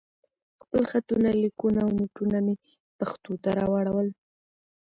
خپل خطونه، ليکونه او نوټونه مې پښتو ته راواړول.